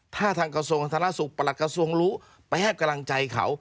ถ้าทางกระทรวงสาธารณสุขประหลัดกระทรวงรู้ไปให้กำลังใจเขา